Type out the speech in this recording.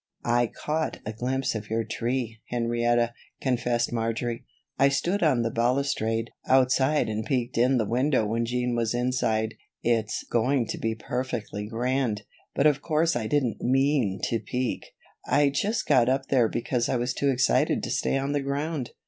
"I caught a glimpse of your tree, Henrietta," confessed Marjory. "I stood on the balustrade outside and peeked in the window when Jean was inside. It's going to be perfectly grand; but of course I didn't mean to peek. I just got up there because I was too excited to stay on the ground."